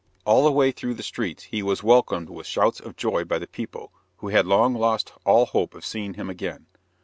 All the way through the streets he was welcomed with shouts of joy by the people, who had long lost all hope of seeing him again.